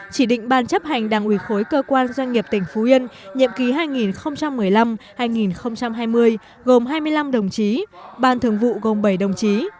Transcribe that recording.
chỉ định ban chấp hành đảng ủy khối cơ quan doanh nghiệp tỉnh phú yên nhiệm ký hai nghìn một mươi năm hai nghìn hai mươi gồm hai mươi năm đồng chí ban thường vụ gồm bảy đồng chí